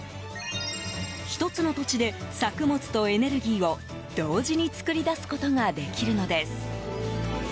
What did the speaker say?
１つの土地で作物とエネルギーを同時に作り出すことができるのです。